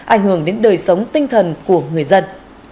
ảnh hưởng đến đời sống tinh thần của người dân